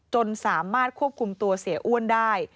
จนสามารถควบคุมตัวเสียอ้วนได้